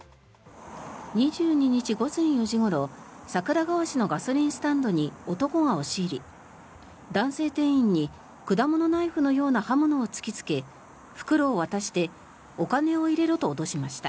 ２２日午前４時ごろ桜川市のガソリンスタンドに男が押し入り、男性店員に果物ナイフのような刃物を突きつけ袋を渡してお金を入れろと脅しました。